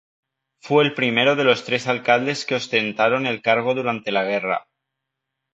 Fue el primero de los tres alcaldes que ostentaron el cargo durante la guerra.